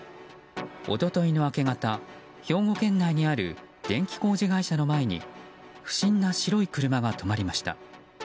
一昨日の明け方兵庫県内にある電気工事会社の前に不審な白い車が止まりました。